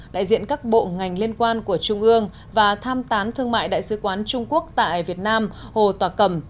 đại diện các bộ ngành liên quan của trung ương và tham tán thương mại đại sứ quán trung quốc tại việt nam hồ tòa cầm